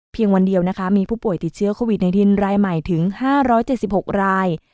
เพียงวันเดียวนะคะมีผู้ป่วยติดเชื้อโควิดในดินรายใหม่ถึง๕๗๖ราย